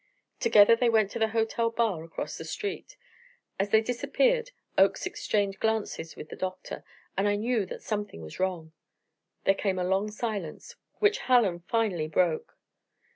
Together they went for the hotel bar across the street. As they disappeared, Oakes exchanged glances with the doctor, and I knew that something was wrong. There came a long silence, which Hallen finally broke.